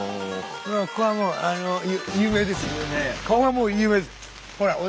ここはもう有名ですよ。